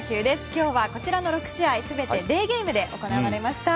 今日はこちらの６試合全てデーゲームで行われました。